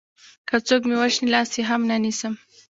که څوک مې وژني لاس يې هم نه نيسم